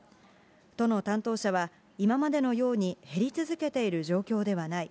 都の担当者は、今までのように減り続けている状況ではない。